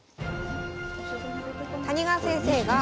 谷川先生が。